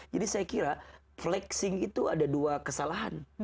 jadi saya kira flexing itu ada dua kesalahan